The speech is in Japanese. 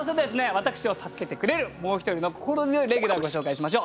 私を助けてくれるもう一人の心強いレギュラーご紹介しましょう。